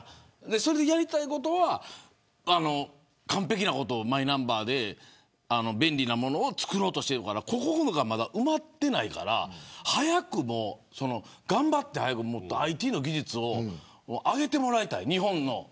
それでやりたいことは完璧なことをマイナンバーで便利なものを作ろうとしてるからここがまだ埋まってないから早く頑張ってもっとＩＴの技術を上げてもらいたい、日本の。